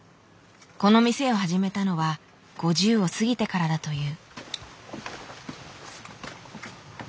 この店を始めたのは５０を過ぎてからだという。